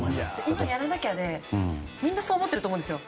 今やらなきゃと、みんな思ってると思うんですよ。